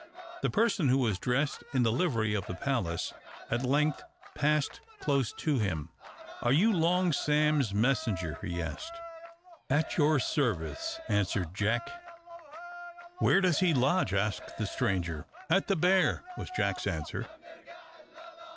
The person, who was dressed in the livery of the palace, at length passed close to him. "Are you Long Sam's messenger?" he asked. "At your service," answered Jack. "Where does he lodge?" asked the stranger. "At the Bear," was Jack's answer.